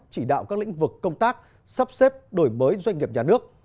chỉ đạo các lĩnh vực công tác sắp xếp đổi mới doanh nghiệp nhà nước